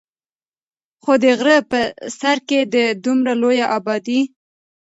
خو د غرۀ پۀ سر کښې د دومره لوے ابادي